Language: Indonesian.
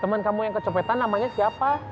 temen kamu yang kecepetan namanya siapa